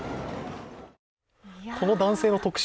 この男性の特集